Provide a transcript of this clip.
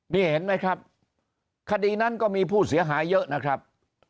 นี่เห็นไหมครับคดีนั้นก็มีผู้เสียหายเยอะนะครับ